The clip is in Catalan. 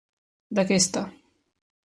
D'aquesta.